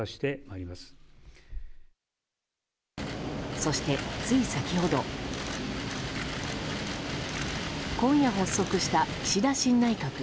そして、つい先ほど今夜発足した岸田新内閣。